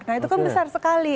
nah itu kan besar sekali